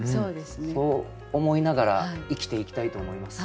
そう思いながら生きていきたいと思います。